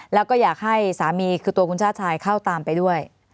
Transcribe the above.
แล้วก็อยากให้สามีคือตัวคุณชาติชายเข้าตามไปด้วย